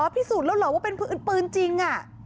พิสูจน์แล้วเหรอว่าเป็นปืนจริง